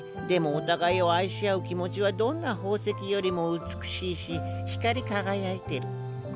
でもお互いを愛し合う気持ちはどんな宝石よりも美しいし光り輝いてる。